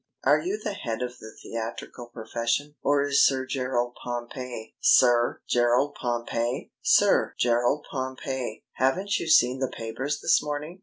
Are you the head of the theatrical profession, or is Sir Gerald Pompey?" "Sir Gerald Pompey?" "Sir Gerald Pompey. Haven't you seen the papers this morning?"